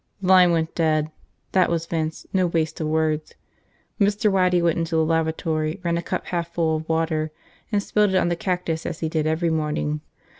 The line went dead. That was Vince, no waste of words. Mr. Waddy went into the lavatory, ran a cup half full of water, and spilled it on the cactus as he did every morning.